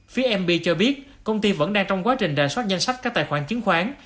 phía mb cho biết công ty vẫn đang trong quá trình đà soát danh sách các tài khoản chứng khoán